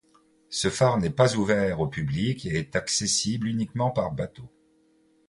Ce phare n'est pas ouvert au public et est accessible uniquement par bateau.